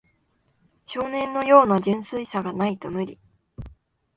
少年のような純真さがないと無理